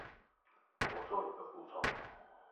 我作一個補充